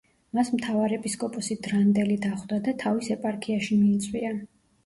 მას მთავარეპისკოპოსი დრანდელი დახვდა და თავის ეპარქიაში მიიწვია.